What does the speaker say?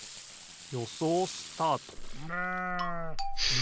よそうスタート！え